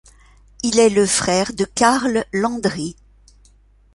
Il est le frère de Carl Landry.